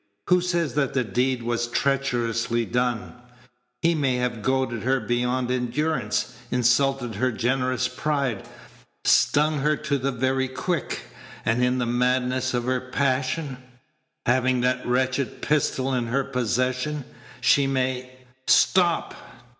"Who says that the deed was treacherously done? He may have goaded her beyond endurance, insulted her generous pride, stung her to the very quick, and in the madness of her passion having that wretched pistol in her possession she may " "Stop!"